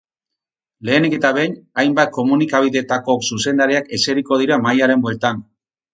Lehenik eta behin, hainbat komunikabidetako zuzendariak eseriko dira mahaiaren bueltan.